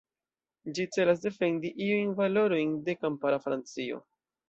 Ĝi celas defendi iujn valorojn de kampara Francio.